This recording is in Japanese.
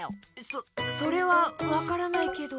そそれはわからないけど。